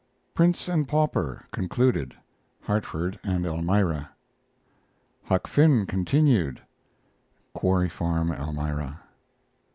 PRINCE AND PAUPER concluded (Hartford and Elmira). HUCK FINN continued (Quarry Farm, Elmira).